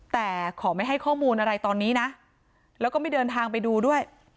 แต่ขอไม่ให้ข้อมูลอะไรตอนนี้นะแล้วก็ไม่เดินทางไปดูด้วย